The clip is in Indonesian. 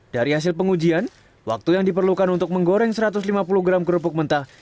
dari hasil pengujian waktu yang diperlukan untuk menggoreng satu ratus lima puluh gram kerupuk mentah